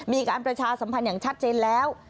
มีการประชาสัมพันธ์อย่างชัดเจนแล้ว